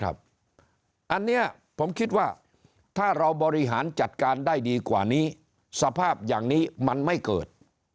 อันนี้ผมคิดว่าถ้าเราบริหารจัดการได้ดีกว่านี้สภาพอย่างนี้มันไม่เกิด